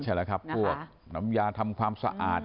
ใช่แล้วครับพวกน้ำยาทำความสะอาด